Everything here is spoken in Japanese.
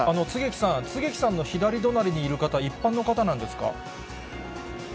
槻木さん、槻木さんの左隣にいる方、一般の方なんですか？